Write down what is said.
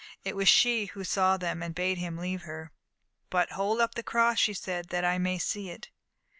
It was she who saw them and bade him leave her. "But hold up the cross," she said, "that I may see it."